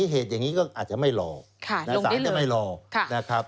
เหตุอย่างนี้ก็อาจจะไม่หลอกนักศึกษาจะไม่หลอก